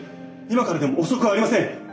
今からでも遅くありません！